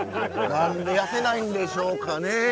何で痩せないんでしょうかね。